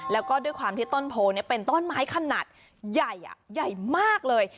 แล้วก็ด้วยความที่ต้นโพเป็นต้นไม้ขนาดใหญ่ใหญ่มากเลย